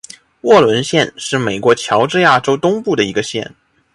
沃伦县是美国乔治亚州东部的一个县。